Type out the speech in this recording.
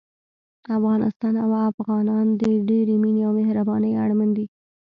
افغانستان او افغانان د ډېرې مينې او مهربانۍ اړمن دي